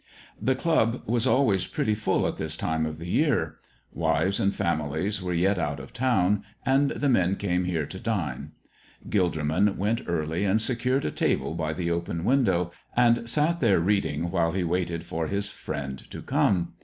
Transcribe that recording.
The club was always pretty full at this time of the year. Wives and families were yet out of town, and the men came here to dine. Gilderman went early and secured a table by the open window, and sat there reading while he waited for his friend to come.